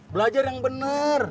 belajar yang bener